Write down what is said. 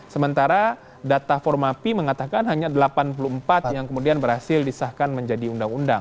sementara data formapi mengatakan hanya delapan puluh empat yang kemudian berhasil disahkan menjadi undang undang